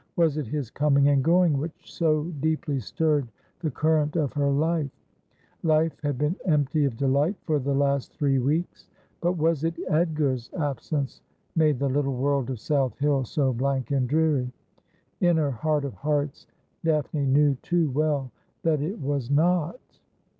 Was it his coming and going which so deeply stirred the current of her life ? Life had been empty of delight for the last three weeks ; but was it Edgar's absence made the little world of South Hill so blank and dreary ? In her heart of hearts Daphne knew too well that it was not.